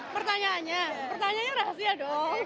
pertanyaannya pertanyaannya rahasia dong